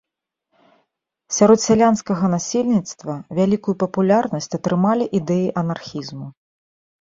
Сярод сялянскага насельніцтва вялікую папулярнасць атрымалі ідэі анархізму.